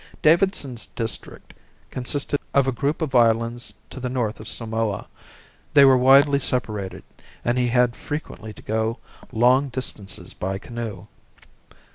Davidson's district consisted of a group of islands to the North of Samoa; they were widely separated and he had frequently to go long distances by canoe.